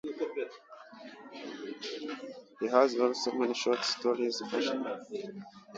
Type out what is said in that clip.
He also has many short stories published in various anthologies.